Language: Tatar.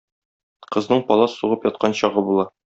Кызның палас сугып яткан чагы була.